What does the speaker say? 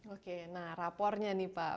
oke nah rapornya nih pak